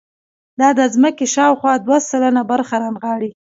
دا د ځمکې شاوخوا دوه سلنه برخه رانغاړي.